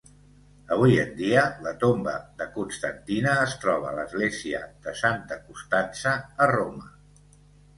Avui en dia, la tomba de Constantina es troba a l'església de Santa Costanza, a Roma.